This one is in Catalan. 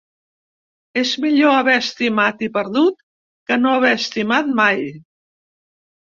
És millor haver estimat i perdut que no haver estimat mai.